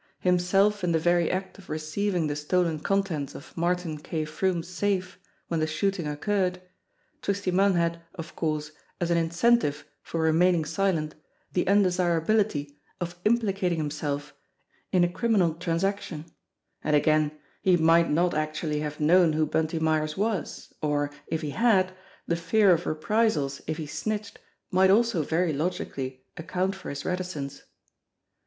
Himself in the very act of receiving the stolen contents of Martin K. Froomes' safe when the shooting occurred, Twisty Munn had, of course, as an incentive for remaining silent the undesirability of implicating himself in a criminal transaction ; and again, he might not actually have known who Bunty Myers was, or, if he had, the fear of reprisals if he snitched might also very logically account for his reticence.